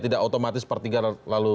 tidak otomatis sepertiga lalu